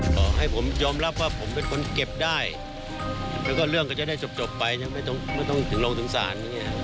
ขอให้ผมยอมรับว่าผมเป็นคนเก็บได้แล้วก็เรื่องก็จะได้จบไปไม่ต้องถึงลงถึงศาล